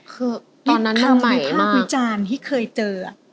คือคำวิภาพวิจารณ์ที่เคยเจอ